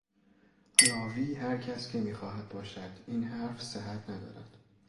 راوی هر کس که میخواهد باشد، این حرف صحت ندارد.